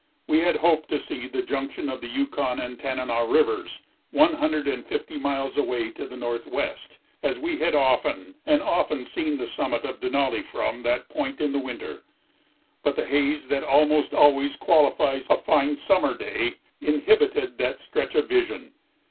We had hoped to see the junction of the Yukon and Tanana Rivers, one hundred and fifty miles away to the northwest, as we had often and often seen the summit of Denali from that point in the winter, but the haze that almost always qualifies a fine summer day inhibited that stretch of vision.